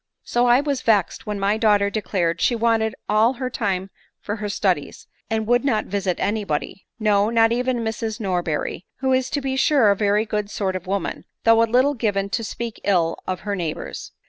So I was vexed when ray daughter declared she wanted all her time for her studies, and would not visit any body, no, not even Mrs Norberry, who is to be sure a very good sort of woman, though a little given to speak ill of her neighbors.